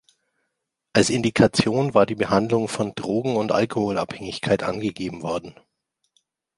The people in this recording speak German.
Als Indikation war die Behandlung von Drogen- und Alkoholabhängigkeit angegeben worden.